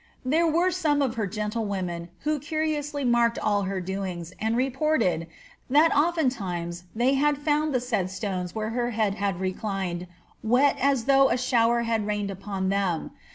There were tome of her gendewomen, who curiously marked all her doings, lod reported, that oAentimes they found the said stones where her head had reclined wet as though a shower had rained upon them.